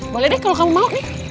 boleh deh kalau kamu mau nih